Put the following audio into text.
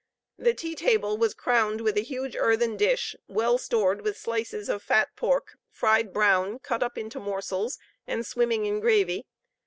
The tea table was crowned with a huge earthen dish, well stored with slices of fat pork, fried brown, cut up into morsels, and swimming in gravy.